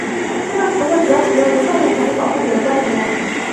这个词汇主要使用于动物权利保护者的观点中。